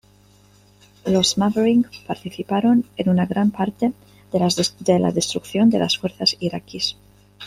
Los Maverick participaron en una gran parte de la destrucción de las fuerzas iraquíes.